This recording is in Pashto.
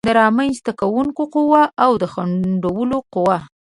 رامنځته کوونکې قوه او د ځنډولو قوه